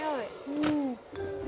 うん。